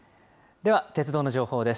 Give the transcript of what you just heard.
では鉄道の情報です。